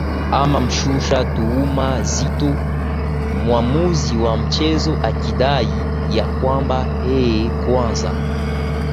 ama mshusha tuhuma nzito mwamuzi wa mchezo akidai ya kwamba eeh kwanza